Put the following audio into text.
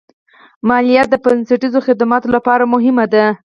مالیه د بنسټیزو خدماتو لپاره مهمه ده.